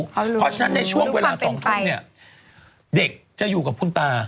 เพราะฉะนั้นในช่วงเวลา๒ทุ่มเนี่ยเด็กจะอยู่กับคุณตา